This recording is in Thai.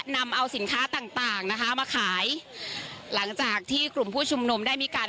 นำเอาสินค้าต่างต่างนะคะมาขายหลังจากที่กลุ่มผู้ชุมนุมได้มีการ